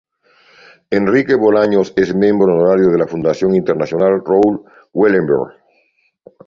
Enrique Bolaños es Miembro Honorario de la Fundación Internacional Raoul Wallenberg.